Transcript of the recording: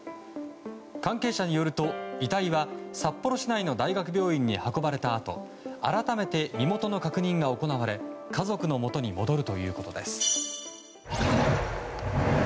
関係者によると遺体は札幌市内の大学病院に運ばれたあと改めて身元の確認が行われ家族のもとに戻るということです。